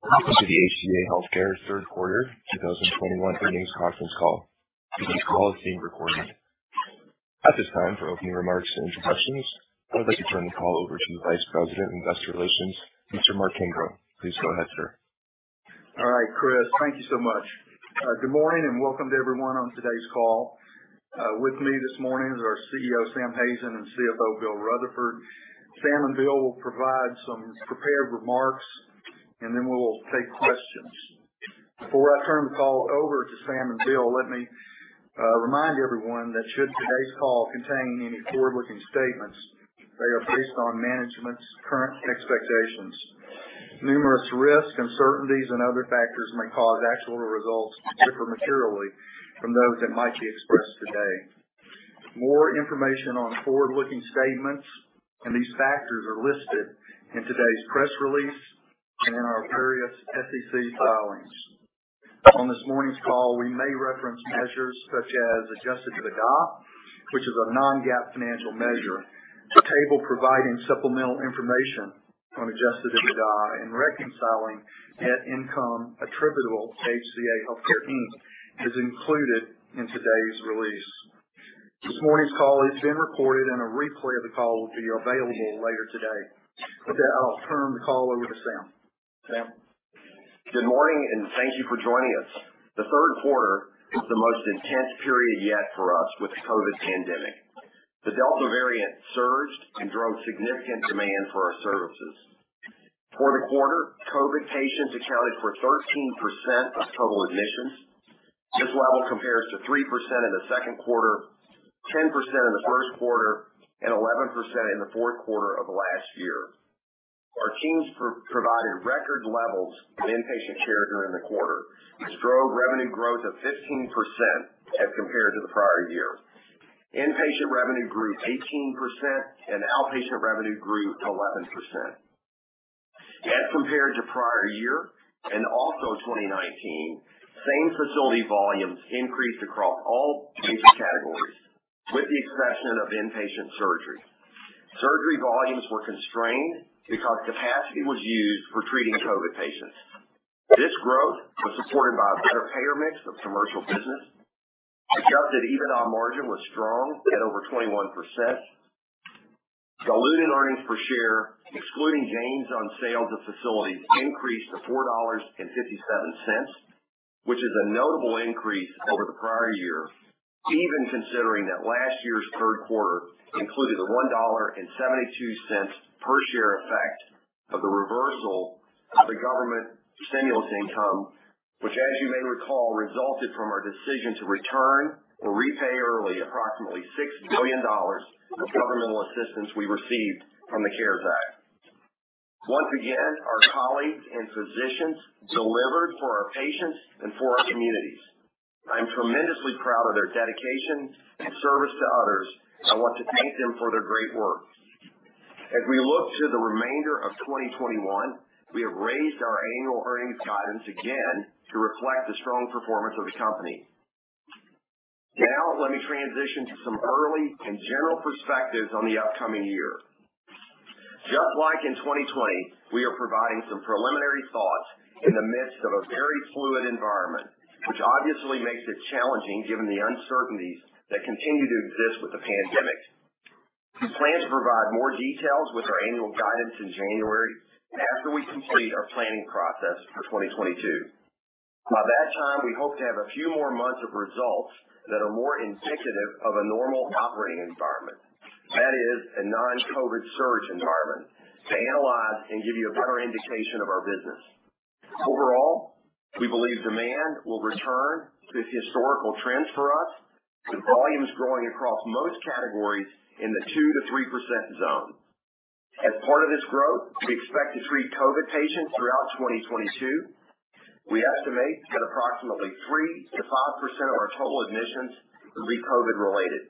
Welcome to the HCA Healthcare Third Quarter 2021 Earnings Conference Call. Today's call is being recorded. At this time, for opening remarks and introductions, I would like to turn the call over to the Vice President of Investor Relations, Mr. Mark Kimbrough. Please go ahead, sir. All right, Chris. Thank you so much. Good morning and welcome to everyone on today's call. With me this morning is our Chief Executive Officer, Sam Hazen, and Chief Financial Officer, Bill Rutherford. Sam and Bill will provide some prepared remarks, and then we'll take questions. Before I turn the call over to Sam and Bill, let me remind everyone that should today's call contain any forward-looking statements, they are based on management's current expectations. Numerous risks, uncertainties, and other factors may cause actual results to differ materially from those that might be expressed today. More information on forward-looking statements and these factors are listed in today's press release and in our various SEC filings. On this morning's call, we may reference measures such as adjusted EBITDA, which is a non-GAAP financial measure. The table providing supplemental information on adjusted EBITDA and reconciling net income attributable to HCA Healthcare, Inc. is included in today's release. This morning's call is being recorded and a replay of the call will be available later today. With that, I'll turn the call over to Sam. Sam? Good morning, and thank you for joining us. The third quarter is the most intense period yet for us with the COVID pandemic. The Delta variant surged and drove significant demand for our services. Quarter-to-quarter, COVID patients accounted for 13% of total admissions. This level compares to 3% in the second quarter, 10% in the first quarter, and 11% in the fourth quarter of last year. Our teams provided record levels of inpatient care during the quarter. This drove revenue growth of 15% as compared to the prior year. Inpatient revenue grew 18% and outpatient revenue grew to 11%. As compared to prior year, and also 2019, same-facility volumes increased across all patient categories with the exception of inpatient surgery. Surgery volumes were constrained because capacity was used for treating COVID patients. This growth was supported by a better payer mix of commercial business. Adjusted EBITDA margin was strong at over 21%. Diluted earnings per share, excluding gains on sales of facilities, increased to $4.57, which is a notable increase over the prior year, even considering that last year's third quarter included a $1.72 per share effect of the reversal of the government stimulus income, which as you may recall, resulted from our decision to return or repay early approximately $6 billion of governmental assistance we received from the CARES Act. Once again, our colleagues and physicians delivered for our patients and for our communities. I'm tremendously proud of their dedication and service to others, and want to thank them for their great work. As we look to the remainder of 2021, we have raised our annual earnings guidance again to reflect the strong performance of the company. Now let me transition to some early and general perspectives on the upcoming year. Just like in 2020, we are providing some preliminary thoughts in the midst of a very fluid environment, which obviously makes it challenging given the uncertainties that continue to exist with the pandemic. We plan to provide more details with our annual guidance in January after we complete our planning process for 2022. By that time, we hope to have a few more months of results that are more indicative of a normal operating environment. That is, a non-COVID surge environment to analyze and give you a better indication of our business. Overall, we believe demand will return to historical trends for us, with volumes growing across most categories in the 2%-3% zone. As part of this growth, we expect to treat COVID patients throughout 2022. We estimate that approximately 3%-5% of our total admissions will be COVID-related.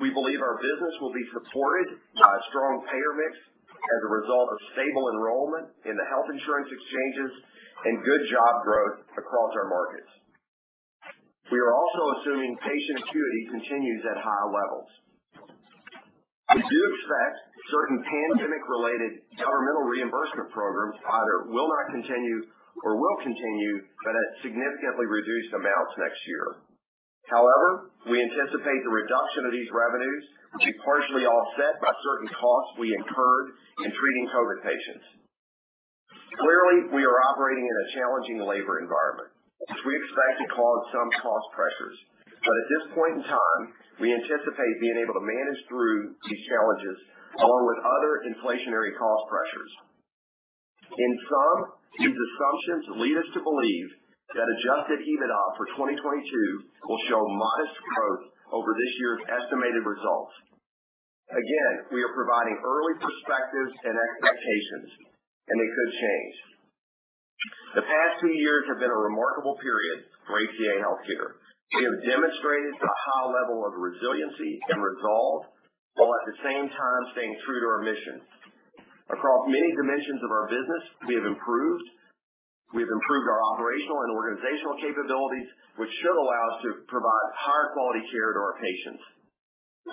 We believe our business will be supported by a strong payer mix as a result of stable enrollment in the health insurance exchanges and good job growth across our markets. We are also assuming patient acuity continues at high levels. We do expect certain pandemic-related governmental reimbursement programs either will not continue or will continue, but at significantly reduced amounts next year. However, we anticipate the reduction of these revenues to be partially offset by certain costs we incurred in treating COVID patients. Clearly, we are operating in a challenging labor environment, which we expect to cause some cost pressures. At this point in time, we anticipate being able to manage through these challenges along with other inflationary cost pressures. In sum, these assumptions lead us to believe that adjusted EBITDA for 2022 will show modest growth over this year's estimated results. Again, we are providing early perspectives and expectations, and they could change. The past two years have been a remarkable period for HCA Healthcare. We have demonstrated a high level of resiliency and resolve, while at the same time staying true to our mission. Across many dimensions of our business, we have improved our operational and organizational capabilities, which should allow us to provide higher quality care to our patients.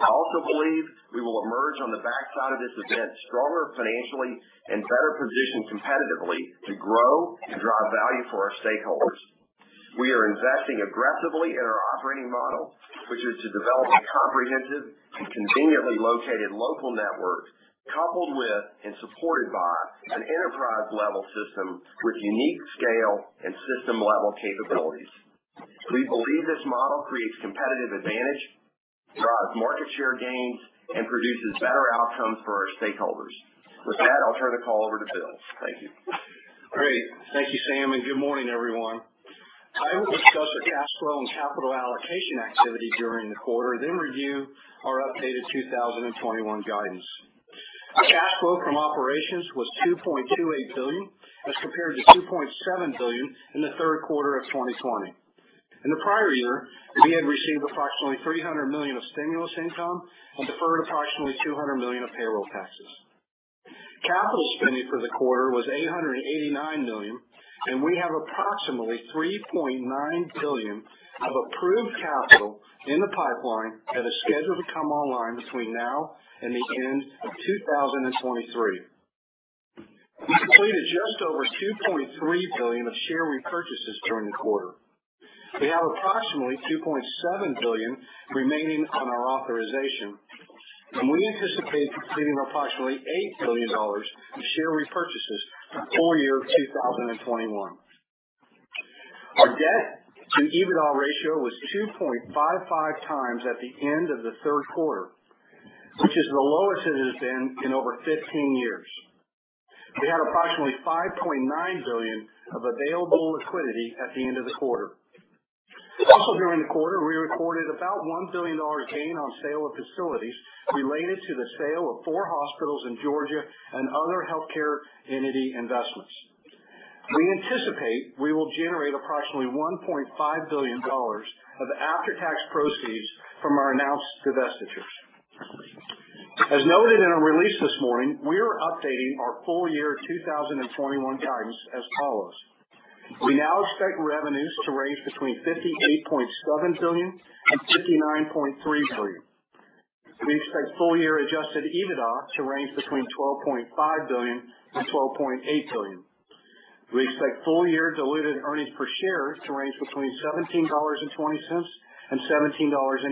I also believe we will emerge on the backside of this event stronger financially and better positioned competitively to grow and drive value for our stakeholders. We are investing aggressively in our operating model, which is to develop a comprehensive and conveniently located local network coupled with and supported by an enterprise-level system with unique scale and system-level capabilities. We believe this model creates competitive advantage, drives market share gains, and produces better outcomes for our stakeholders. With that, I'll turn the call over to Bill. Thank you. Great. Thank you, Sam, good morning, everyone. I will discuss the cash flow and capital allocation activity during the quarter, then review our updated 2021 guidance. Our cash flow from operations was $2.28 billion as compared to $2.7 billion in the third quarter of 2020. In the prior year, we had received approximately $300 million of stimulus income and deferred approximately $200 million of payroll taxes. Capital spending for the quarter was $889 million, and we have approximately $3.9 billion of approved capital in the pipeline that is scheduled to come online between now and the end of 2023. We completed just over $2.3 billion of share repurchases during the quarter. We have approximately $2.7 billion remaining on our authorization, and we anticipate completing approximately $8 billion of share repurchases for full year 2021. Our debt to EBITDA ratio was 2.55x at the end of the third quarter, which is the lowest it has been in over 15 years. We had approximately $5.9 billion of available liquidity at the end of the quarter. Also during the quarter, we recorded about $1 billion gain on sale of facilities related to the sale of four hospitals in Georgia and other healthcare entity investments. We anticipate we will generate approximately $1.5 billion of after-tax proceeds from our announced divestitures. As noted in our release this morning, we are updating our full year 2021 guidance as follows. We now expect revenues to range between $58.7 billion and $59.3 billion. We expect full year adjusted EBITDA to range between $12.5 billion and $12.8 billion. We expect full year diluted earnings per share to range between $17.20 and $17.80.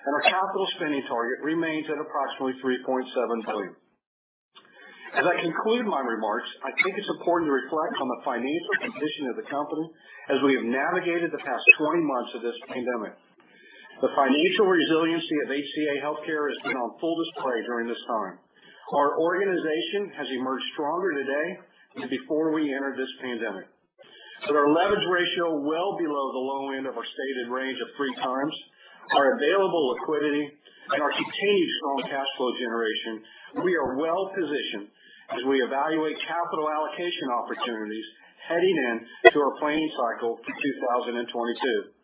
Our capital spending target remains at approximately $3.7 billion. As I conclude my remarks, I think it's important to reflect on the financial condition of the company as we have navigated the past 20 months of this pandemic. The financial resiliency of HCA Healthcare has been on full display during this time. Our organization has emerged stronger today than before we entered this pandemic. With our leverage ratio well below the low end of our stated range of 3x, our available liquidity, and our continued strong cash flow generation, we are well positioned as we evaluate capital allocation opportunities heading into our planning cycle for 2022.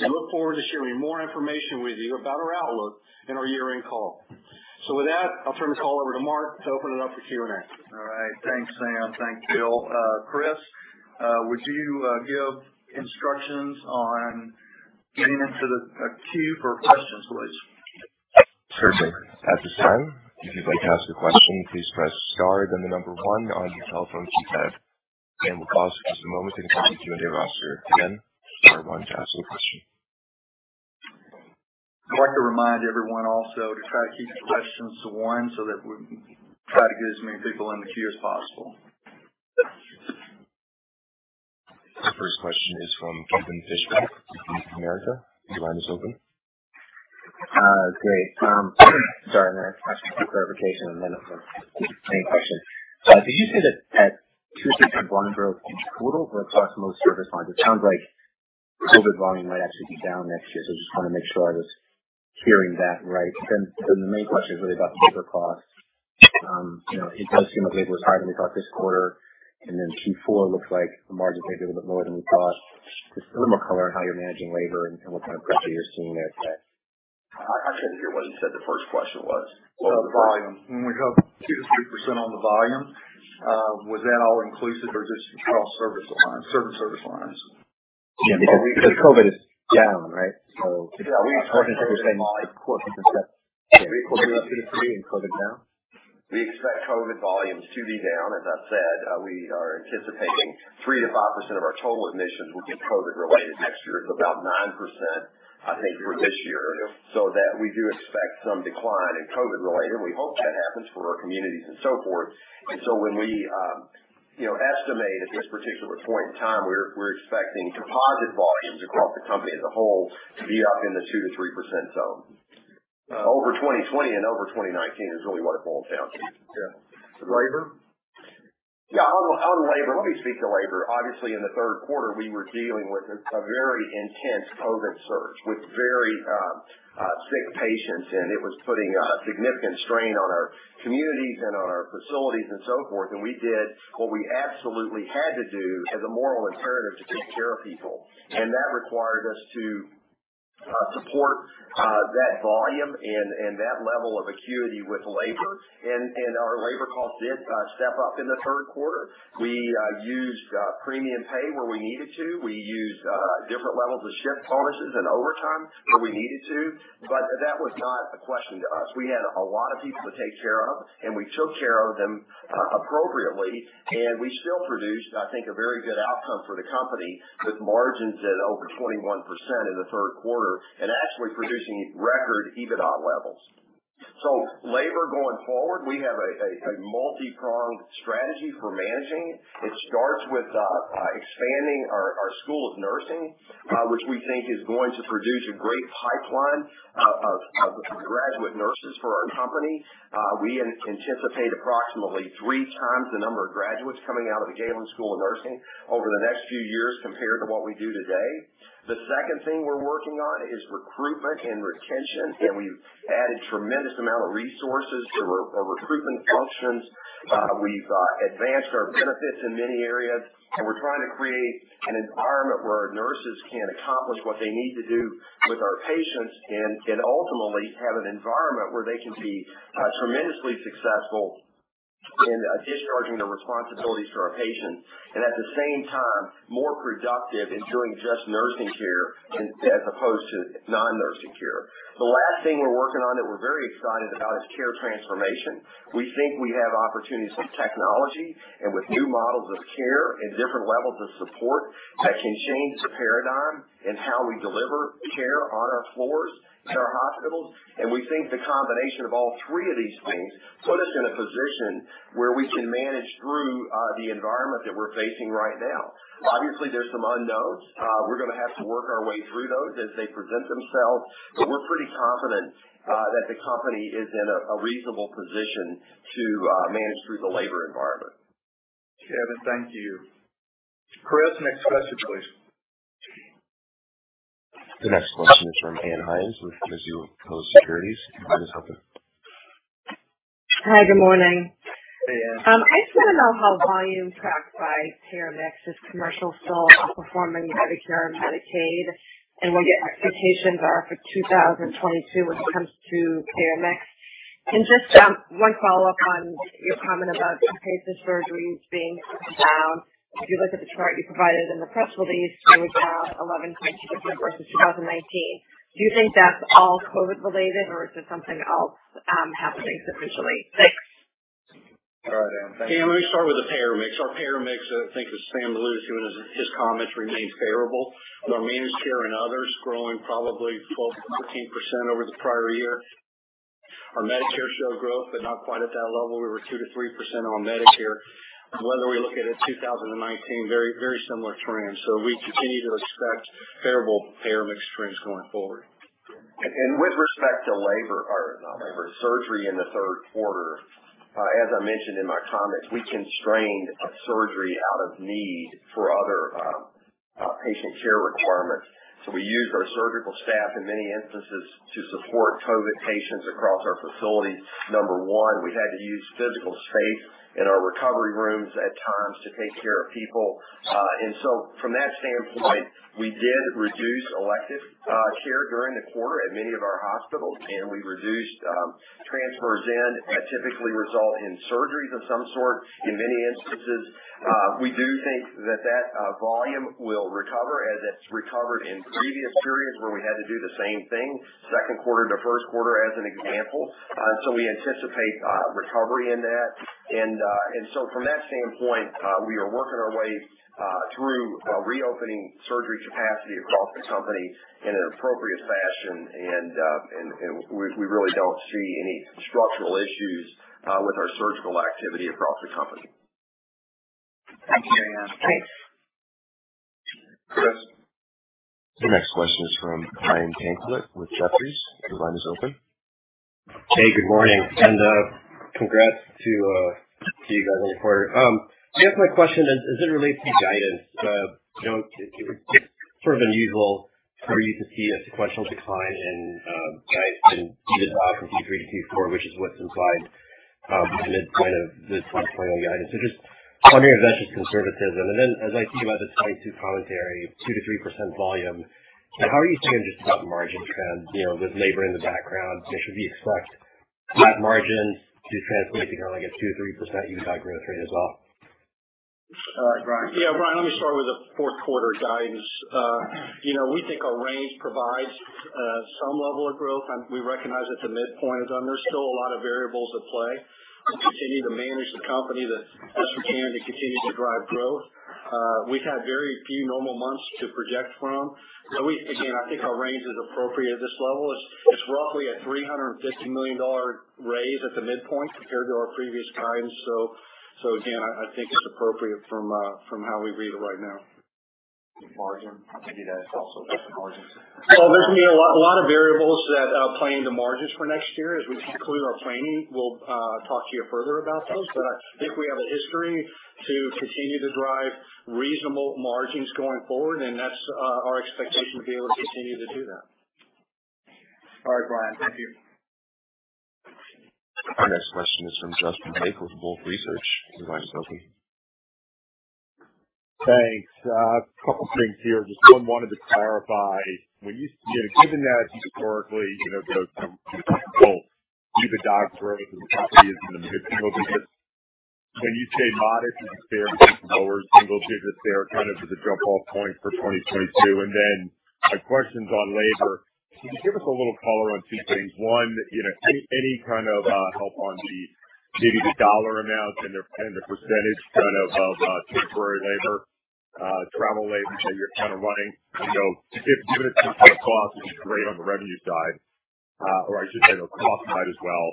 Look forward to sharing more information with you about our outlook in our year-end call. With that, I'll turn the call over to Mark to open it up for Q&A. All right. Thanks, Sam. Thank you, Bill. Chris, would you give instructions on getting into the queue for questions, please? Certainly. At this time, if you'd like to ask a question, please press star, then the number one on your telephone keypad, and we'll pause for just a moment to conduct the Q&A roster. Again, star one to ask a question. I'd like to remind everyone also to try to keep the questions to one so that we can try to get as many people in the queue as possible. The first question is from Kevin Fischbeck with Bank of America. Your line is open. Great. Sorry, I have a question for clarification and then a main question. Did you say that at 2%-3% volume growth in total or across most service lines? It sounds like COVID volume might actually be down next year, so I just want to make sure I was hearing that right. The main question is really about labor costs. It does seem like labor is higher than we thought this quarter. Q4 looks like the margins may be a bit lower than we thought. Just a little more color on how you're managing labor and what kind of growth are you seeing there today? I shouldn't hear what he said the first question was. Volume. When we hope 2%-3% on the volume, was that all inclusive or just across service lines? Yeah, because COVID is down, right? Important to understand 2%-3% and COVID down. We expect COVID volumes to be down. As I said, we are anticipating 3%-5% of our total admissions will be COVID related next year. It's about 9%, I think, for this year. That we do expect some decline in COVID related. We hope that happens for our communities and so forth. When we estimate at this particular point in time, we're expecting composite volumes across the company as a whole to be up in the 2%-3% zone. Over 2020 and over 2019 is really what it boils down to. Yeah. Labor? Yeah, on labor, let me speak to labor. Obviously, in the third quarter, we were dealing with a very intense COVID surge with very sick patients, and it was putting a significant strain on our communities and on our facilities and so forth. We did what we absolutely had to do as a moral imperative to take care of people. That required us to support that volume and that level of acuity with labor. Our labor costs did step up in the third quarter. We used premium pay where we needed to. We used different levels of shift bonuses and overtime where we needed to, but that was not a question to us. We had a lot of people to take care of, and we took care of them appropriately. We still produced, I think, a very good outcome for the company, with margins at over 21% in the third quarter and actually producing record EBITDA levels. Labor going forward, we have a multi-pronged strategy for managing. It starts with expanding our school of nursing, which we think is going to produce a great pipeline of graduate nurses for our company. We anticipate approximately three times the number of graduates coming out of the Galen College of Nursing over the next few years compared to what we do today. The second thing we're working on is recruitment and retention, and we've added tremendous amount of resources to our recruitment functions. We've advanced our benefits in many areas, and we're trying to create an environment where our nurses can accomplish what they need to do with our patients and ultimately have an environment where they can be tremendously successful in discharging their responsibilities to our patients. At the same time, more productive in doing just nursing care as opposed to non-nursing care. The last thing we're working on that we're very excited about is care transformation. We think we have opportunities with technology and with new models of care and different levels of support that can change the paradigm in how we deliver care on our floors at our hospitals. We think the combination of all three of these things put us in a position where we can manage through the environment that we're facing right now. Obviously, there's some unknowns. We're going to have to work our way through those as they present themselves. We're pretty confident that the company is in a reasonable position to manage through the labor environment. Kevin, thank you. Chris, next question, please. The next question is from Ann Hynes with Mizuho Securities. Your line is open. Hi, good morning. I just want to know how volume tracked by payer mix is commercial still outperforming Medicare and Medicaid, and what your expectations are for 2022 when it comes to payer mix? Just one follow-up on your comment about inpatient surgeries being down. If you look at the chart you provided in the press release, it was down 11.2% versus 2019. Do you think that's all COVID related or is there something else happening sufficiently? Thanks. All right, Ann. Thank you. Let me start with the payer mix. Our payer mix, I think as Sam alluded to in his comments, remains favorable, with our managed care and others growing probably 12%-15% over the prior year. Our Medicare showed growth, not quite at that level. We were 2%-3% on Medicare. Whether we look at it 2019, very similar trends. We continue to expect favorable payer mix trends going forward. With respect to labor, or not labor, surgery in the third quarter, as I mentioned in my comments, we constrained surgery out of need for other patient care requirements. We used our surgical staff in many instances to support COVID patients across our facilities. Number one, we had to use physical space in our recovery rooms at times to take care of people. From that standpoint, we did reduce elective care during the quarter at many of our hospitals, and we reduced transfers in that typically result in surgeries of some sort in many instances. We do think that that volume will recover as it's recovered in previous periods where we had to do the same thing, second quarter to first quarter, as an example. We anticipate recovery in that. From that standpoint, we are working our way through reopening surgery capacity across the company in an appropriate fashion, and we really don't see any structural issues with our surgical activity across the company. Thank you. Thanks. Chris. The next question is from Brian Tanquilut with Jefferies. Your line is open. Hey, good morning, and congrats to you guys on the quarter. I guess my question is, as it relates to guidance, it's sort of unusual for you to see a sequential decline in guidance in EBITDA from Q3 to Q4, which is what's implied in the midpoint of the 2020 guidance. Just wondering if that's just conservatism? As I think about the 2022 commentary, 2%-3% volume, how are you thinking just about the margin trend, with labor in the background? Should we expect that margin to translate to like a 2%-3% EBITDA growth rate as well? All right, Brian. Yeah, Brian, let me start with the fourth quarter guidance. We think our range provides some level of growth. We recognize that the midpoint is under still a lot of variables at play. We continue to manage the company the best we can to continue to drive growth. We've had very few normal months to project from. Again, I think our range is appropriate at this level. It's roughly a $350 million raise at the midpoint compared to our previous guidance. Again, I think it's appropriate from how we read it right now. Margin, maybe that's also just margins. Well, there's going to be a lot of variables that play into margins for next year. As we conclude our planning, we'll talk to you further about those. I think we have a history to continue to drive reasonable margins going forward, and that's our expectation to be able to continue to do that. All right, Brian. Thank you. Our next question is from Justin Lake with Wolfe Research. Your line is open. Thanks. A couple things here. Just one, wanted to clarify, given that historically, both either DRG growth or the company is in the mid-singles, when you say modest is a fair bit lower single digits there, kind of the drop-off point for 2022. My question's on labor. Can you give us a little color on 2 things? One, any kind of help on maybe the dollar amounts and the % of temporary labor, travel labor that you're running? Given some of the costs have been great on the revenue side, or I should say the cost side as well.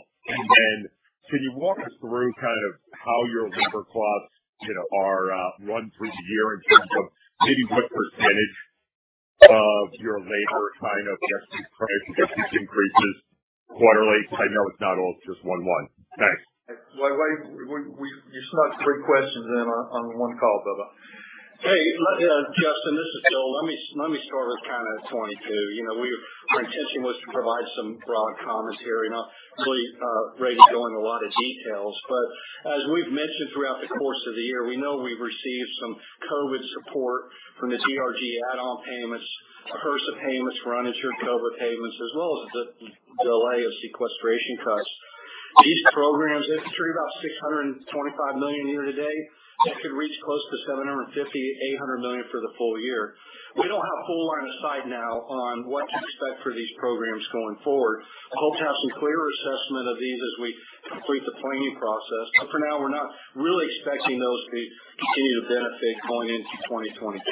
Can you walk us through how your labor costs are run through the year in terms of maybe what percent of your labor against these price increases quarterly? I know it's not all just one. Thanks. You snuck three questions in on one call. Hey, Justin Lake, this is Bill Rutherford. Let me start with kind of 2022. Our intention was to provide some broad commentary, not really ready to go into a lot of details. As we've mentioned throughout the course of the year, we know we've received some COVID support from the DRG add-on payments, HRSA payments for uninsured COVID payments, as well as the delay of sequestration cuts. These programs hit about $625 million year to date, that could reach close to $750 million-$800 million for the full year. We don't have a full line of sight now on what to expect for these programs going forward. We hope to have some clearer assessment of these as we complete the planning process, but for now, we're not really expecting those to continue to benefit going into 2022.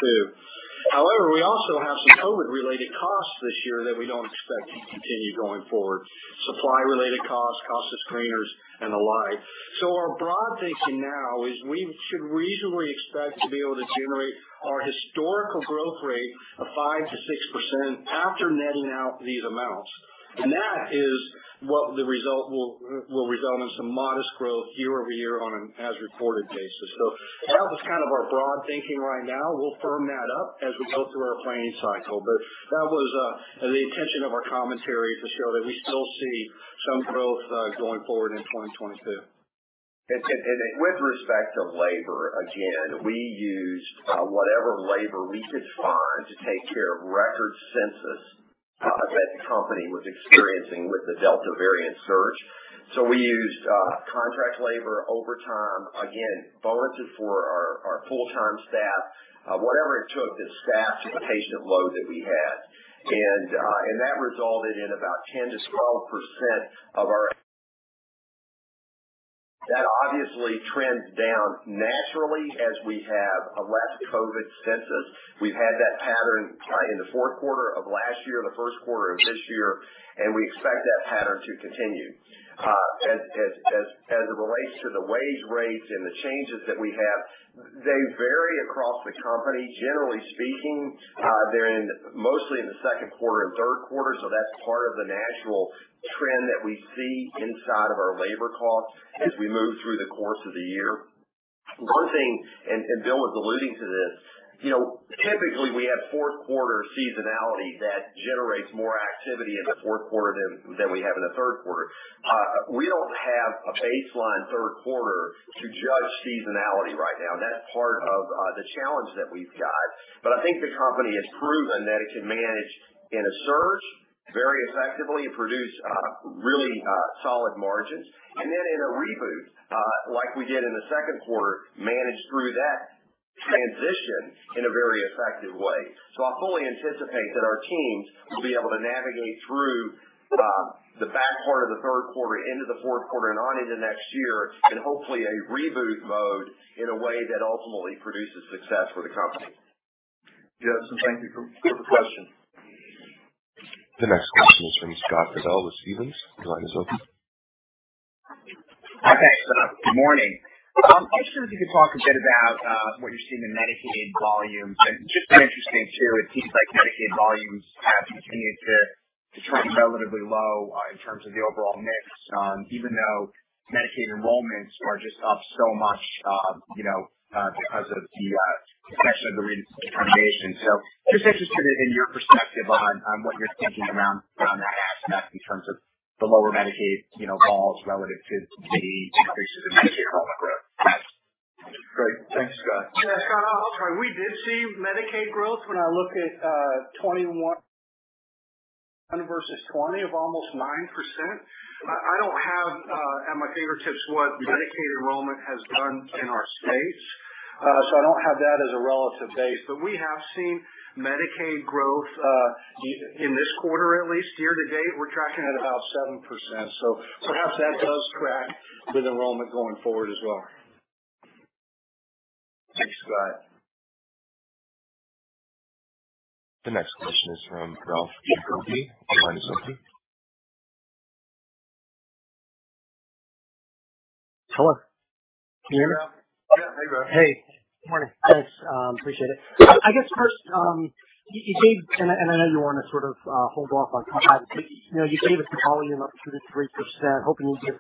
However, we also have some COVID-related costs this year that we don't expect to continue going forward. Supply-related costs, cost of screeners, and the like. Our broad thinking now is we should reasonably expect to be able to generate our historical growth rate of 5%-6% after netting out these amounts. That is what will result in some modest growth year-over-year on an as-reported basis. That was kind of our broad thinking right now. We'll firm that up as we go through our planning cycle. That was the intention of our commentary, to show that we still see some growth going forward in 2022. With respect to labor, again, we used whatever labor we could find to take care of record census that the company was experiencing with the Delta variant surge. We used contract labor, overtime, again, bonuses for our full-time staff, whatever it took to staff to the patient load that we had. That resulted in about 10%-12% of our, that obviously trends down naturally as we have a less COVID census. We've had that pattern in the fourth quarter of last year and the first quarter of this year, and we expect that pattern to continue. As it relates to the wage rates and the changes that we have, they vary across the company. Generally speaking, they're mostly in the second quarter and third quarter. That's part of the natural trend that we see inside of our labor costs as we move through the course of the year. One thing, Bill was alluding to this, typically we have fourth quarter seasonality that generates more activity in the fourth quarter than we have in the third quarter. We don't have a baseline third quarter to judge seasonality right now. That's part of the challenge that we've got. I think the company has proven that it can manage in a surge very effectively and produce really solid margins. In a reboot, like we did in the second quarter, manage through that transition in a very effective way. I fully anticipate that our teams will be able to navigate through the back part of the third quarter into the fourth quarter and on into next year in hopefully a reboot mode in a way that ultimately produces success for the company. Justin, thank you for the question. The next question is from Scott Fidel with Stephens. Your line is open. Hi, thanks. Good morning. I was curious if you could talk a bit about what you see in the Medicaid volumes. Just been interested too, it seems like Medicaid volumes have continued to trend relatively low in terms of the overall mix, even though Medicaid enrollments are just up so much because of the extension of the recent [determination]. Just interested in your perspective on what you're thinking around that aspect in terms of the lower Medicaid volumes relative to the increases in Medicaid enrollment growth. Great. Thanks, Scott. Yeah, Scott, I'll try. We did see Medicaid growth when I look at 2021 versus 2020 of almost 9%. I don't have at my fingertips what Medicaid enrollment has done in our states. I don't have that as a relative base. We have seen Medicaid growth in this quarter, at least year to date. We're tracking at about 7%, perhaps that does track with enrollment going forward as well. Thanks, Scott. The next question is from Ralph Giacobbe. Your line is open. Hello, can you hear me? Yeah. Hey, Ralph. Hey. Good morning. Thanks. Appreciate it. I guess first, and I know you want to sort of hold off on guidance, but you gave us a volume of 2%-3%, hoping you'd give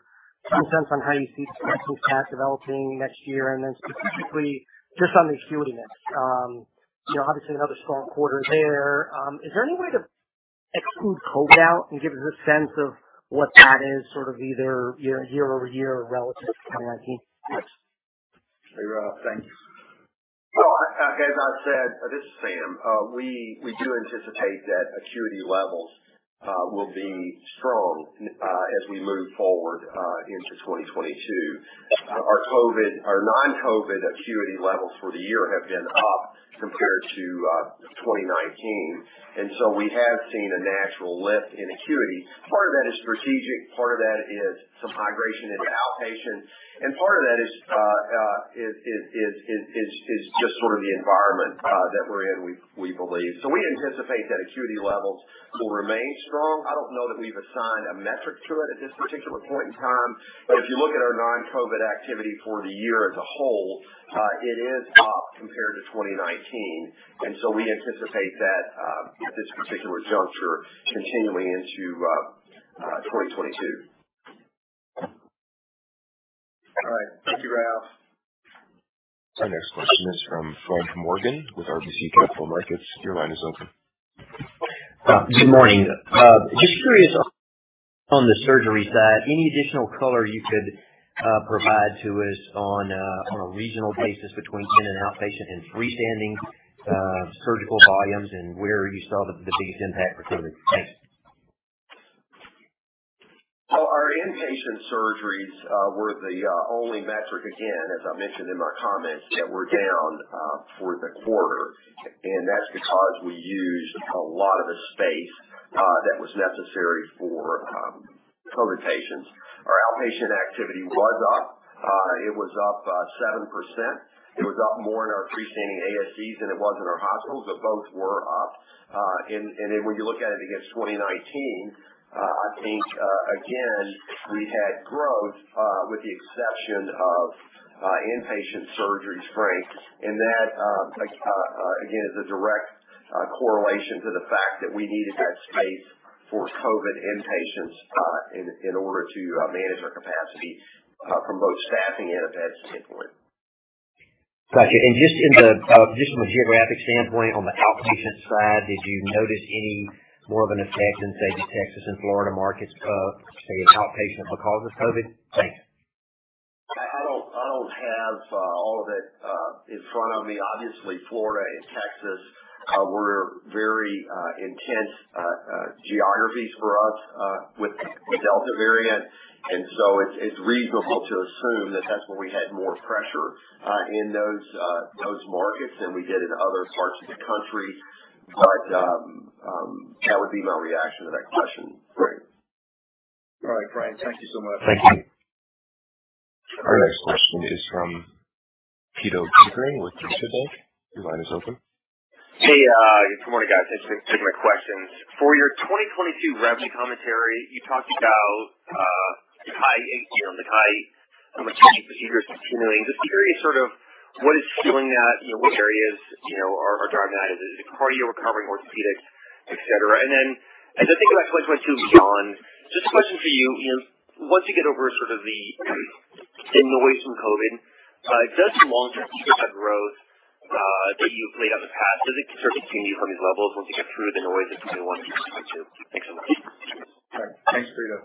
some sense on how you see the specialty path developing next year. Then specifically just on the acuity mix. Obviously another strong quarter there. Is there any way to exclude COVID out and give us a sense of what that is, either year-over-year or relative to 2019. Thanks. Hey, Ralph. Thanks. Well, as I said, this is Sam. We do anticipate that acuity levels will be strong as we move forward into 2022. Our non-COVID acuity levels for the year have been up compared to 2019, and so we have seen a natural lift in acuity. Part of that is strategic, part of that is some migration into outpatient, and part of that is just the environment that we're in, we believe. We anticipate that acuity levels will remain strong. I don't know that we've assigned a metric to it at this particular point in time. If you look at our non-COVID activity for the year as a whole, it is up compared to 2019. We anticipate that at this particular juncture, continuing into 2022. All right. Thank you, Ralph. Our next question is from Frank Morgan with RBC Capital Markets. Your line is open. Good morning. Just curious on the surgery side, any additional color you could provide to us on a regional basis between in and outpatient and freestanding surgical volumes, and where you saw the biggest impact for COVID? Thanks. Our inpatient surgeries were the only metric, again, as I mentioned in my comments, that were down for the quarter, and that's because we used a lot of the space that was necessary for COVID patients. Our outpatient activity was up. It was up 7%. It was up more in our freestanding ASCs than it was in our hospitals, but both were up. When you look at it against 2019, I think, again, we had growth, with the exception of inpatient surgery, Frank. That again, is a direct correlation to the fact that we needed that space for COVID inpatients in order to manage our capacity from both staffing and a beds standpoint. Got you. Just from a geographic standpoint, on the outpatient side, did you notice any more of an effect in, say, the Texas and Florida markets, say, in outpatient because of COVID? Thanks. I don't have all of it in front of me. Obviously, Florida and Texas were very intense geographies for us with the Delta variant, it's reasonable to assume that that's where we had more pressure in those markets than we did in other parts of the country. That would be my reaction to that question, Frank. All right. Frank, thank you so much. Thank you. Our next question is from Pito Chickering with Deutsche Bank. Your line is open. Hey, good morning, guys. Thanks for taking my questions. For your 2022 revenue commentary, you talked about the high procedures continuing. Just curious, what is fueling that? What areas are driving that? Is it cardio recovering more, orthopedics, et cetera? Then as I think about 2022 beyond, just a question for you, Sam. Once you get over the noise from COVID, does the long-term growth that you've laid out in the past, does it continue from these levels once you get through the noise that you see in 2022? Thanks so much. All right. Thanks, Pito.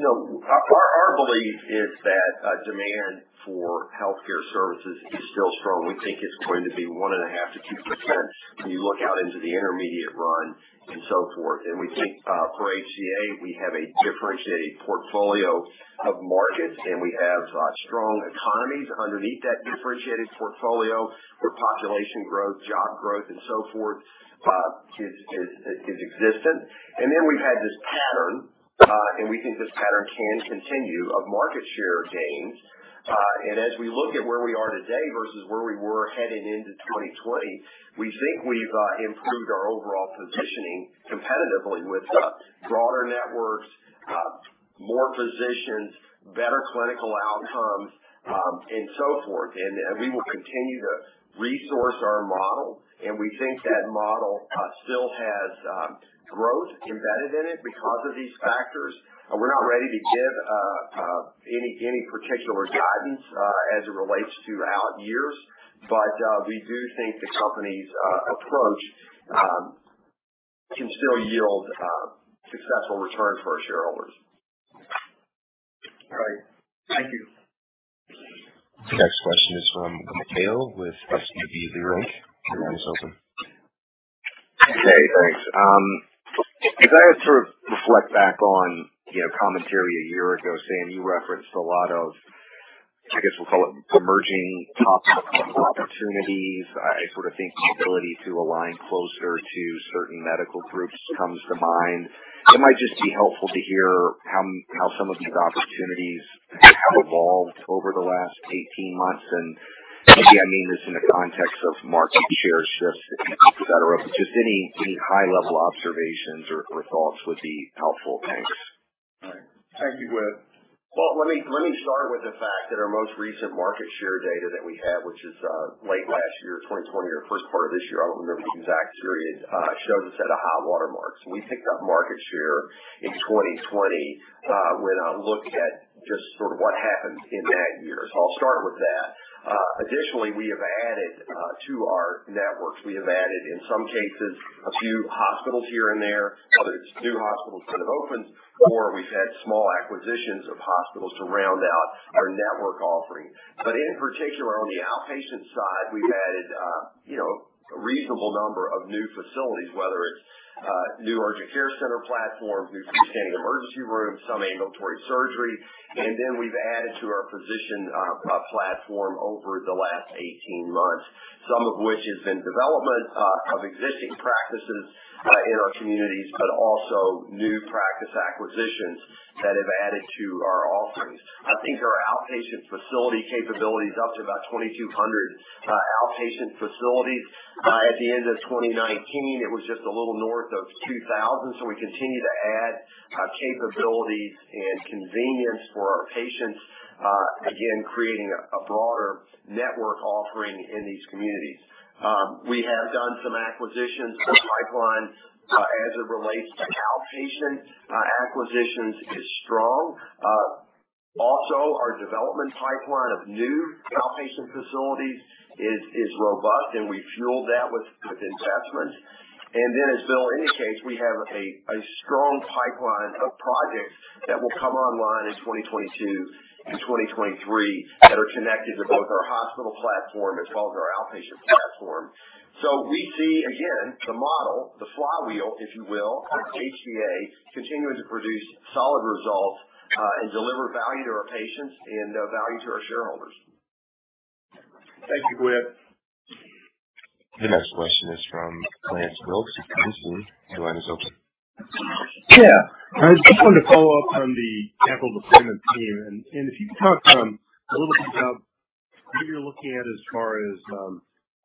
Our belief is that demand for healthcare services is still strong. We think it's going to be 1.5%-2% when you look out into the intermediate run, and so forth. We think for HCA, we have a differentiated portfolio of markets, and we have strong economies underneath that differentiated portfolio where population growth, job growth, and so forth is existent. Then we've had this pattern, and we think this pattern can continue of market share gains. As we look at where we are today versus where we were heading into 2020, we think we've improved our overall positioning competitively with broader networks, more physicians, better clinical outcomes, and so forth. We will continue to resource our model, and we think that model still has growth embedded in it because of these factors. We're not ready to give any particular guidance as it relates to out years, but we do think the company's approach can still yield successful returns for our shareholders. All right. Thank you. Next question is from Glenn Mateo with SVB Leerink. Your line is open. Okay, thanks. As I reflect back on commentary a year ago, Sam, you referenced a lot of, I guess we'll call it emerging opportunities. I think the ability to align closer to certain medical groups comes to mind. It might just be helpful to hear how some of these opportunities have evolved over the last 18 months, and maybe I mean this in the context of market share shifts, et cetera, but just any high level observations or thoughts would be helpful. Thanks. All right. Thank you, Glenn. Well, let me start with the fact that our most recent market share data that we have, which is late last year, 2020 or first part of this year, I don't remember the exact period, shows us at a high water mark. We picked up market share in 2020 when I look at just what happened in that year. I'll start with that. Additionally, we have added to our networks. We have added, in some cases, a few hospitals here and there, whether it's new hospitals that have opened or we've had small acquisitions of hospitals to round out our network offering. In particular, on the outpatient side, we've added a reasonable number of new facilities, whether it's new urgent care center platforms, new freestanding emergency rooms, some ambulatory surgery. Then we’ve added to our physician platform over the last 18 months, some of which has been development of existing practices in our communities, but also new practice acquisitions that have added to our offerings. I think our outpatient facility capability is up to about 2,200 outpatient facilities. At the end of 2019, it was just a little north of 2,000. We continue to add capabilities and convenience for our patients, again, creating a broader network offering in these communities. We have done some acquisitions. The pipeline as it relates to outpatient acquisitions is strong. Our development pipeline of new outpatient facilities is robust, and we fueled that with investment. Then as Bill indicates, we have a strong pipeline of projects that will come online in 2022 and 2023 that are connected to both our hospital platform as well as our outpatient platform. We see, again, the model, the flywheel, if you will, of HCA continuing to produce solid results and deliver value to our patients and value to our shareholders. Thank you, Chris. The next question is from Lance Wilkes of Bernstein. Your line is open. Yeah. I just wanted to follow up on the capital deployment theme. If you could talk a little bit about what you're looking at as far as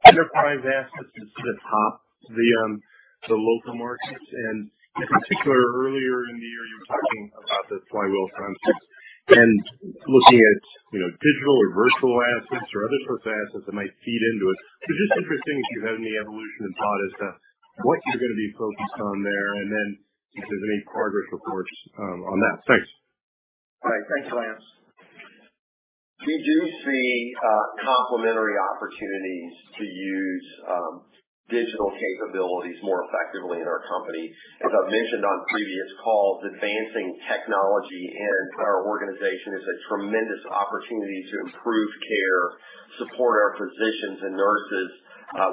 enterprise assets instead of top the local markets. In particular, earlier in the year, you were talking about the flywheel concept and looking at digital or virtual assets or other sorts of assets that might feed into it. Just interesting if you've had any evolution in thought as to what you're going to be focused on there, and then if there's any progress reports on that. Thanks. All right. Thanks, Lance. We do see complementary opportunities to use digital capabilities more effectively in our company. As I've mentioned on previous calls, advancing technology in our organization is a tremendous opportunity to improve care, support our physicians and nurses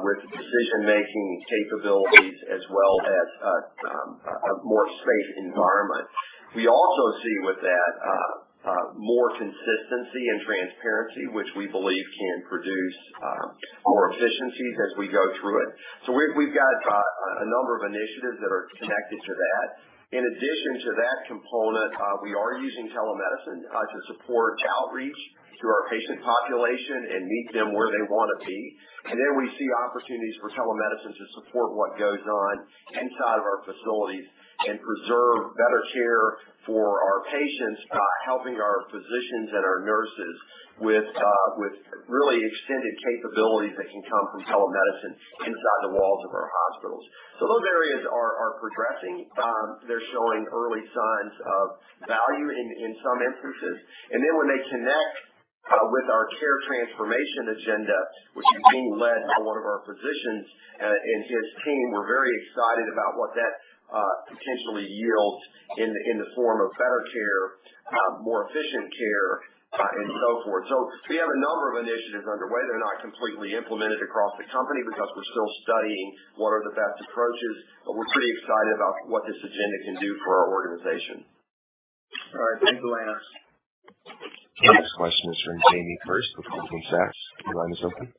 with decision-making capabilities, as well as a more safe environment. We also see with that more consistency and transparency, which we believe can produce more efficiencies as we go through it. We've got a number of initiatives that are connected to that. In addition to that component, we are using telemedicine to support outreach to our patient population and meet them where they want to be. Then we see opportunities for telemedicine to support what goes on inside of our facilities and preserve better care for our patients by helping our physicians and our nurses with really extended capabilities that can come from telemedicine inside the walls of our hospitals. Those areas are progressing. They're showing early signs of value in some instances. Then when they connect with our care transformation agenda, which is being led by one of our physicians and his team, we're very excited about what that potentially yields in the form of better care, more efficient care, and so forth. We have a number of initiatives underway. They're not completely implemented across the company because we're still studying what are the best approaches, but we're pretty excited about what this agenda can do for our organization. All right. Thanks, Lance. The next question is from Jamie Perse with Goldman Sachs. Your line is open.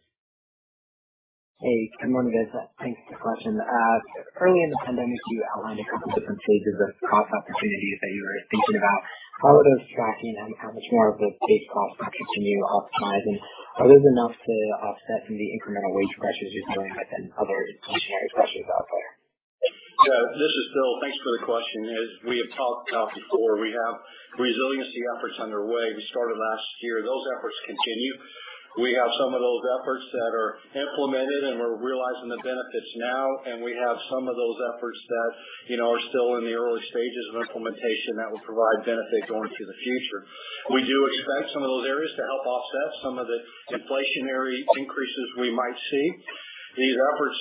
Hey, good morning, guys. Thanks for the question. Early in the pandemic, you outlined a couple different stages of cost opportunities that you were thinking about. How are those tracking and how much more of the paid costs can you optimize? Are those enough to offset some of the incremental wage pressures you're seeing and other inflationary pressures out there? This is Bill. Thanks for the question. As we have talked about before, we have resiliency efforts underway. We started last year. Those efforts continue. We have some of those efforts that are implemented and we're realizing the benefits now, and we have some of those efforts that are still in the early stages of implementation that will provide benefit going to the future. We do expect some of those areas to help offset some of the inflationary increases we might see. These efforts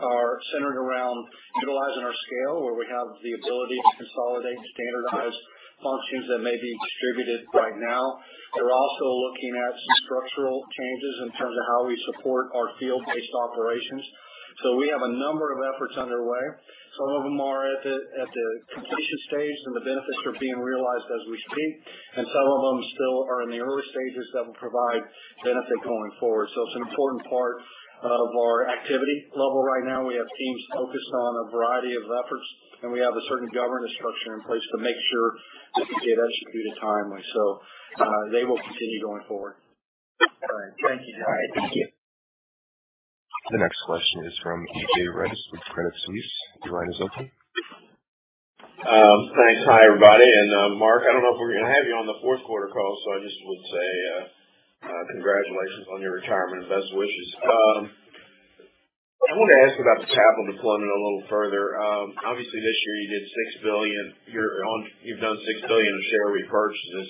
are centered around utilizing our scale, where we have the ability to consolidate and standardize functions that may be distributed right now. They're also looking at some structural changes in terms of how we support our field-based operations. We have a number of efforts underway. Some of them are at the completion stage and the benefits are being realized as we speak, and some of them still are in the early stages that will provide benefit going forward. It's an important part of our activity level right now. We have teams focused on a variety of efforts, and we have a certain governance structure in place to make sure that they get executed timely. They will continue going forward. All right. Thank you, Jamie Perse. All right. Thank you. The next question is from A.J. Rice with Credit Suisse. Your line is open. Thanks. Hi, everybody. Mark, I don't know if we're going to have you on the fourth quarter call, so I just would say congratulations on your retirement and best wishes. I want to ask about the capital deployment a little further. Obviously, this year you did $6 billion. You've done $6 billion in share repurchases.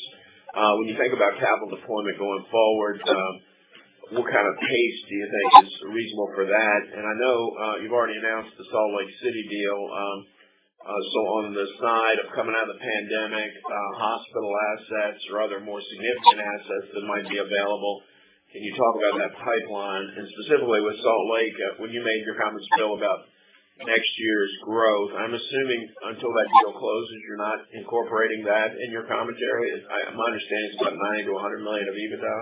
When you think about capital deployment going forward, what kind of pace do you think is reasonable for that? I know you've already announced the Salt Lake City deal. On the side of coming out of the pandemic, hospital assets or other more significant assets that might be available, can you talk about that pipeline? Specifically with Salt Lake, when you made your comments, Bill, about next year's growth, I'm assuming until that deal closes, you're not incorporating that in your commentary. My understanding is it's what, $90 million-$100 million of EBITDA?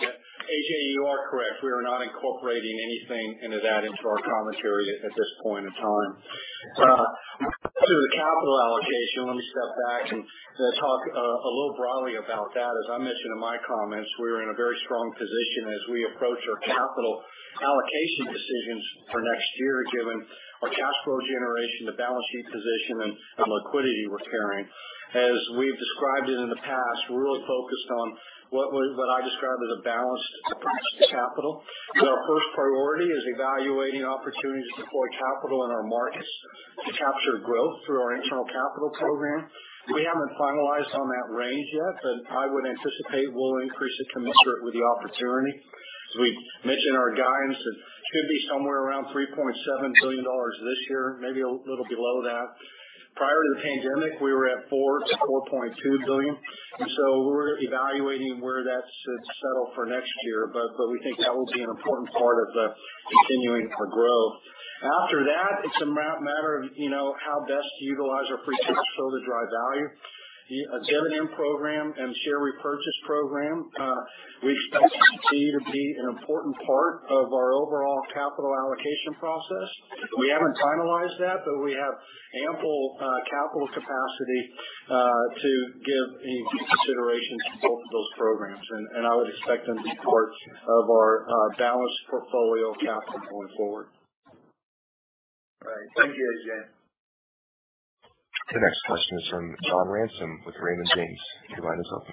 Yeah. A.J., you are correct. We are not incorporating anything into that, into our commentary at this point in time. To the capital allocation, let me step back and talk a little broadly about that. As I mentioned in my comments, we are in a very strong position as we approach our capital allocation decisions for next year, given our cash flow generation, the balance sheet position, and the liquidity we're carrying. As we've described it in the past, we're really focused on what I describe as a balanced approach to capital. Our first priority is evaluating opportunities to deploy capital in our markets to capture growth through our internal capital program. We haven't finalized on that range yet, but I would anticipate we'll increase it commensurate with the opportunity. As we mentioned in our guidance, it should be somewhere around $3.7 billion this year, maybe a little below that. Prior to the pandemic, we were at $4 billion-$4.2 billion. We're evaluating where that should settle for next year. We think that will be an important part of the continuing for growth. After that, it's a matter of how best to utilize our free cash flow to drive value. The dividend program and share repurchase program, we expect to continue to be an important part of our overall capital allocation process. We haven't finalized that, but we have ample capital capacity to give any consideration to both of those programs. I would expect them to be part of our balanced portfolio of capital going forward. All right. Thank you, A.J. The next question is from John Ransom with Raymond James. Your line is open.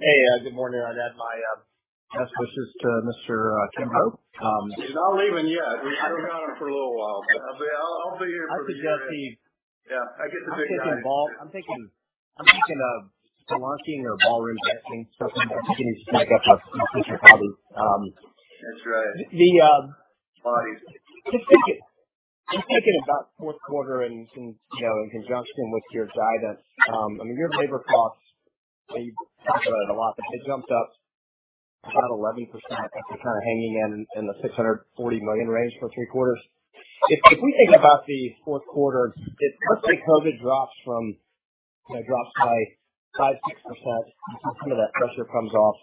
Hey. Good morning. I'd add my best wishes to Mark Kimbrough. He's not leaving yet. We still got him for a little while. I'll be here for the duration. I suggest. Yeah, I get the big nine. I'm thinking of polka dancing or ballroom dancing, something that can ease him back up after his hobby. That's right. Just thinking about fourth quarter in conjunction with your guidance. I mean, your labor costs, you talked about it a lot, but they jumped up about 11%, after kind of hanging in the $640 million range for three quarters. If we think about the fourth quarter, let's say COVID drops by 5%, 6%, some of that pressure comes off.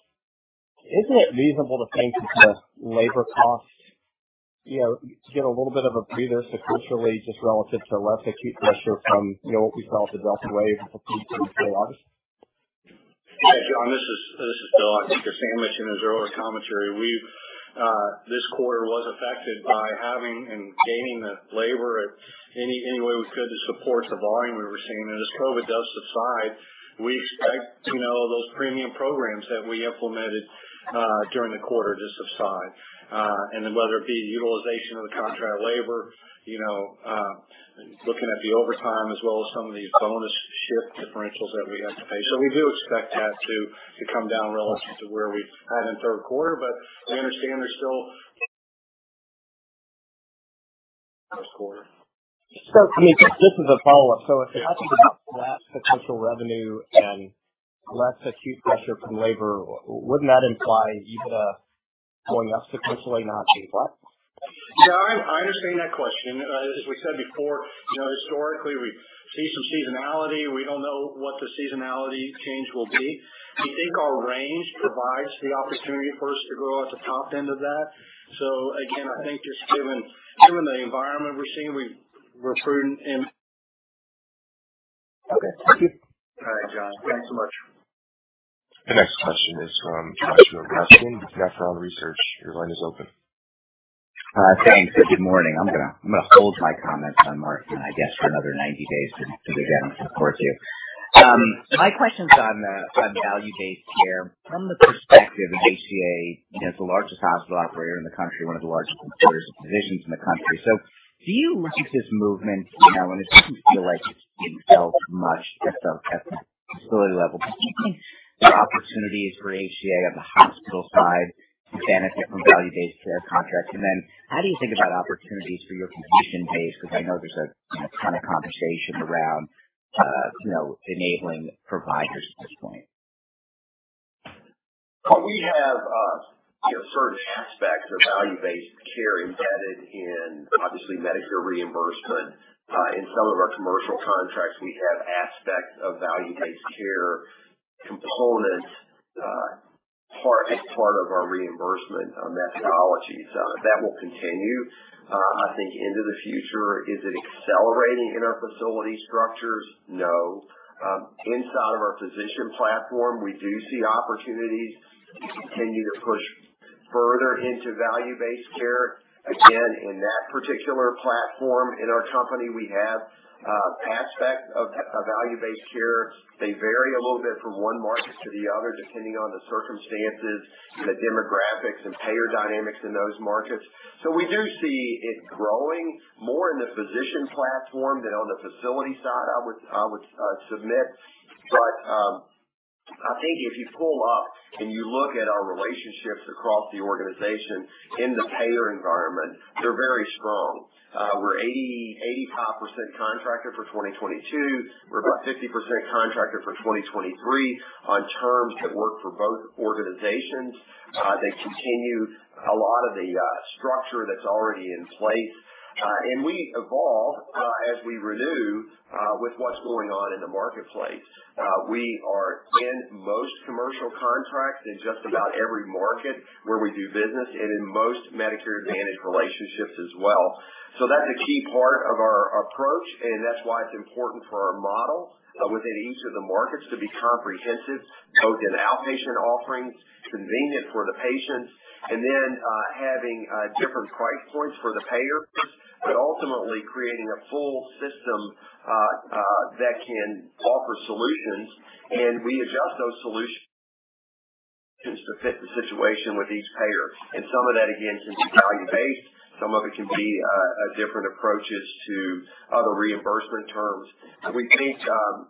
Isn't it reasonable to think that the labor costs get a little bit of a breather sequentially, just relative to less acute pressure from what we saw as a Delta wave peak in late August? Yeah, John, this is Bill. I think you're saying much in as earlier commentary. This quarter was affected by having and gaining the labor any way we could to support the volume we were seeing. As COVID does subside, we expect those premium programs that we implemented during the quarter to subside. Whether it be utilization of the contract labor, looking at the overtime as well as some of these bonus shift differentials that we have to pay. We do expect that to come down relative to where we had in third quarter. I understand there's still first quarter. Just as a follow-up. If you're talking about less potential revenue and less acute pressure from labor, wouldn't that imply EBITDA going up sequentially, not sequentially? Yeah, I understand that question. As we said before, historically we see some seasonality. We don't know what the seasonality change will be. We think our range provides the opportunity for us to grow at the top end of that. Again, I think just given the environment we're seeing, we're prudent. Okay. Thank you. All right, John. Thanks so much. The next question is from Josh Raskin with Nephron Research. Your line is open. Thanks. Good morning. I'm going to hold my comments on Mark, I guess, for another 90 days to give Adam support too. My question's on value-based care. From the perspective of HCA as the largest hospital operator in the country, one of the largest employers of physicians in the country. Do you like this movement? It doesn't feel like it's being felt much at the facility level. Do you think there are opportunities for HCA on the hospital side to benefit from value-based care contracts? How do you think about opportunities for your physician base? Because I know there's a ton of conversation around enabling providers at this point. We have certain aspects of value-based care embedded in, obviously, Medicare reimbursement. In some of our commercial contracts, we have aspects of value-based care components as part of our reimbursement methodologies. That will continue, I think, into the future. Is it accelerating in our facility structures? No. Inside of our physician platform, we do see opportunities to continue to push further into value-based care. Again, in that particular platform in our company, we have aspects of value-based care. They vary a little bit from one market to the other, depending on the circumstances and the demographics and payer dynamics in those markets. We do see it growing more in the physician platform than on the facility side, I would submit. I think if you pull up and you look at our relationships across the organization in the payer environment, they're very strong. We're 85% contracted for 2022. We're about 50% contracted for 2023 on terms that work for both organizations. They continue a lot of the structure that's already in place. We evolve as we renew with what's going on in the marketplace. We are in most commercial contracts in just about every market where we do business and in most Medicare Advantage relationships as well. That's a key part of our approach, that's why it's important for our model within each of the markets to be comprehensive, both in outpatient offerings, convenient for the patients, and then having different price points for the payers, but ultimately creating a full system that can offer solutions, and we adjust those solutions to fit the situation with each payer. Some of that, again, can be value-based. Some of it can be different approaches to other reimbursement terms. We think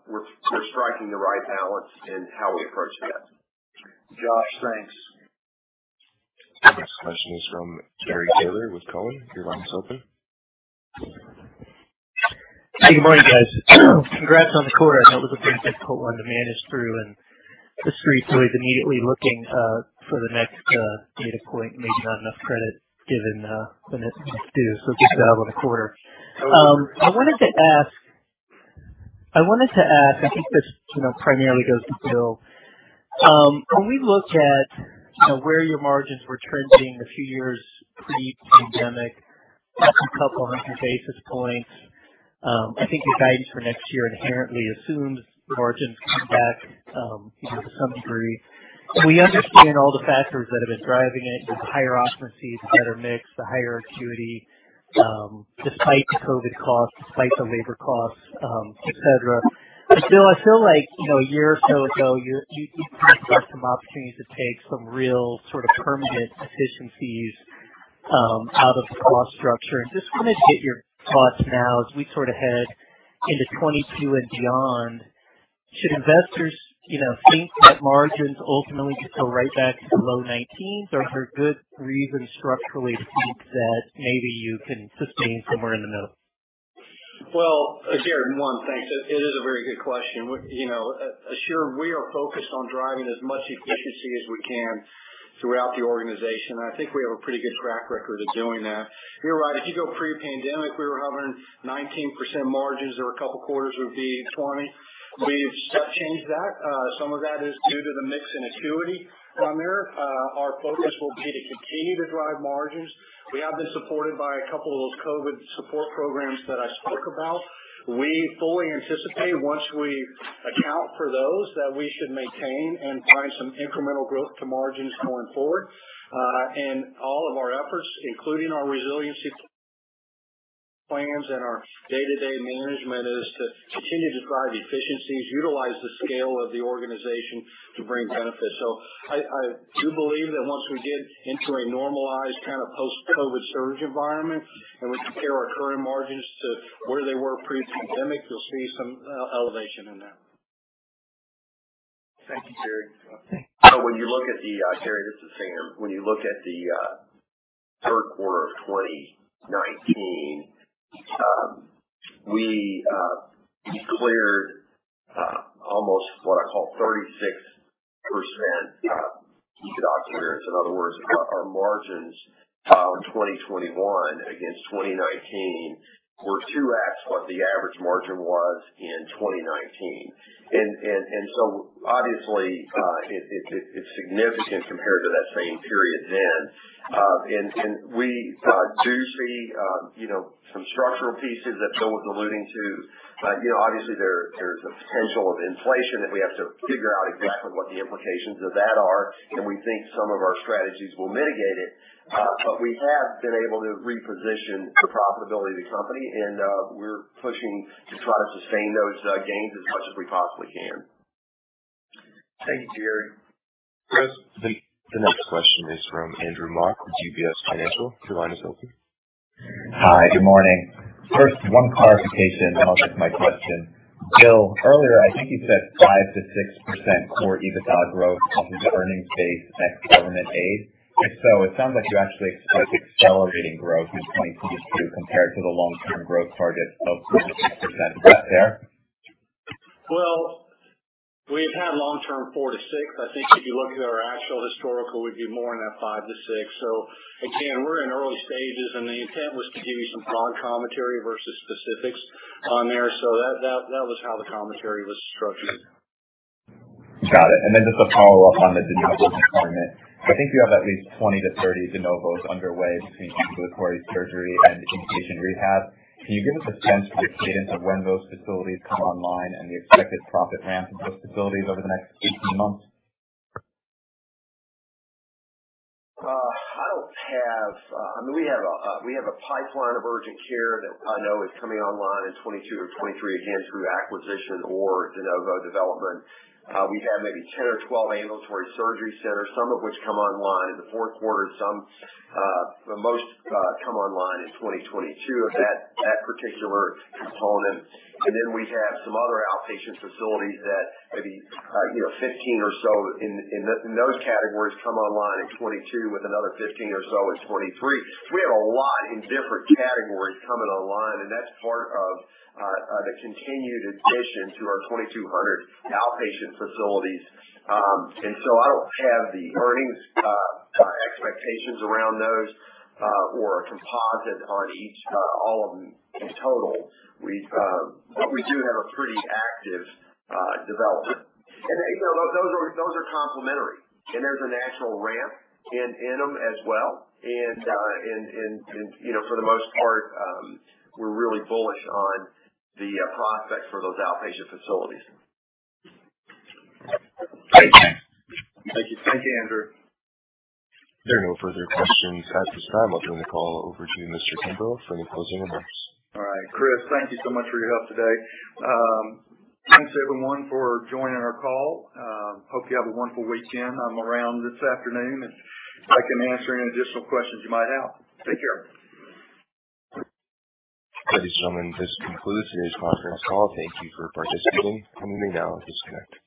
we're striking the right balance in how we approach that. Josh, thanks. Next question is from Gary Taylor with Cowen. Your line is open. Hey, good morning, guys. Congrats on the quarter. I know it was a pretty difficult one to manage through, and the street is immediately looking for the next data point. Maybe not enough credit given when it's due. Good job on the quarter. I wanted to ask, I think this primarily goes to Bill. When we looked at where your margins were trending a few years pre-pandemic, up 200 basis points. I think your guidance for next year inherently assumes margins come back to some degree. We understand all the factors that have been driving it, the higher occupancies, better mix, the higher acuity, despite the COVID costs, despite the labor costs, et cetera. Bill, I feel like one year or so ago, you talked about some opportunities to take some real sort of permanent efficiencies out of the cost structure. Just wanted to get your thoughts now as we sort of head into 2022 and beyond. Should investors think that margins ultimately just go right back to the low 19%? Are there good reasons structurally to think that maybe you can sustain somewhere in the middle? Gary, one, thanks. It is a very good question. Assure we are focused on driving as much efficiency as we can throughout the organization. I think we have a pretty good track record of doing that. You're right. If you go pre-pandemic, we were hovering 19% margins or a couple quarters would be 20%. We've changed that. Some of that is due to the mix in acuity on there. Our focus will be to continue to drive margins. We have been supported by a couple of those COVID Support Programs that I spoke about. We fully anticipate once we account for those, that we should maintain and find some incremental growth to margins going forward. All of our efforts, including our resiliency plans and our day-to-day management, is to continue to drive efficiencies, utilize the scale of the organization to bring benefits. I do believe that once we get into a normalized kind of post-COVID surge environment and we compare our current margins to where they were pre-pandemic, you'll see some elevation in that. Thank you, Gary. When you look at the Gary Taylor, this is Sam Hazen. When you look at the third quarter of 2019, we declared almost what I call 36% EBITDA clearance. In other words, our margins in 2021 against 2019 were 2x what the average margin was in 2019. Obviously, it's significant compared to that same period then. We do see some structural pieces that Bill Rutherford was alluding to, but obviously there's a potential of inflation that we have to figure out exactly what the implications of that are, and we think some of our strategies will mitigate it. We have been able to reposition the profitability of the company, and we're pushing to try to sustain those gains as much as we possibly can. Thank you, Gary. The next question is from Andrew Mok with UBS. Your line is open. Hi, good morning. First, one clarification, then I'll get to my question. Bill, earlier, I think you said 5%-6% core EBITDA growth off of the earnings base, ex government aid. If so, it sounds like you actually expect accelerating growth in 2022 compared to the long-term growth target of 4%-6%. Is that fair? We've had long-term 4%-6%. I think if you look at our actual historical, we'd be more in that 5-6. Again, we're in early stages, and the intent was to give you some broad commentary versus specifics on there. That was how the commentary was structured. Got it. Just a follow-up on the de novo deployment. I think you have at least 20 to 30 de novos underway between ambulatory surgery and inpatient rehab. Can you give us a sense for the cadence of when those facilities come online and the expected profit ramps of those facilities over the next 18 months? We have a pipeline of urgent care that I know is coming online in 2022 or 2023, again, through acquisition or de novo development. We have maybe 10 or 12 ambulatory surgery centers, some of which come online in the fourth quarter. Most come online in 2022 of that particular component. Then we have some other outpatient facilities that maybe 15 or so in those categories come online in 2022 with another 15 or so in 2023. We have a lot in different categories coming online, that's part of the continued addition to our 2,200 outpatient facilities. I don't have the earnings expectations around those or a composite on each, all of them in total. We do have a pretty active development. Those are complementary, and there's a national ramp in them as well. For the most part, we're really bullish on the prospects for those outpatient facilities. Thank you. Thank you, Andrew. There are no further questions at this time. I'll turn the call over to Mr. Kimbrough for any closing remarks. Chris, thank you so much for your help today. Thanks, everyone, for joining our call. Hope you have a wonderful weekend. I'm around this afternoon, and I can answer any additional questions you might have. Take care. Ladies and gentlemen, this concludes today's conference call. Thank you for participating. You may now disconnect.